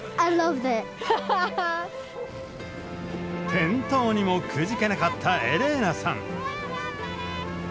転倒にもくじけなかったエレーナさん。